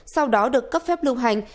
sau đó được cấp phép lưu hành